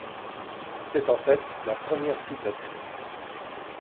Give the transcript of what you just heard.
C'est en fait la première citadelle.